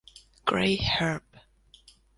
Gray Herb.